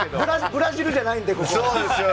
ブラジルじゃないので。